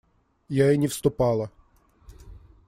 Я и не вступала.